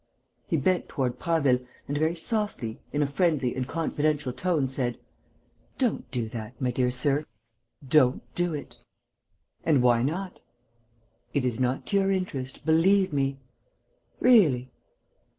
'" He bent toward Prasville and, very softly, in a friendly and confidential tone, said: "Don't do that, my dear sir, don't do it." "And why not?" "It is not to your interest, believe me." "Really!"